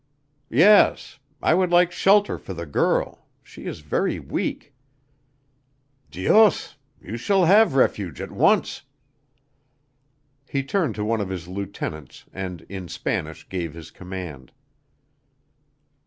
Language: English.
"Yes. I would like shelter for the girl. She is very weak." "Dios! you shall have refuge at once." He turned to one of his lieutenants and in Spanish gave his command.